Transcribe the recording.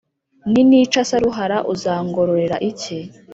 ninica Saruhara uzangororera iki?